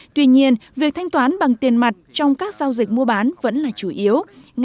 tuy nhiên việc thanh toán bằng tiền mặt trong các giao dịch mua bán vẫn là chủ yếu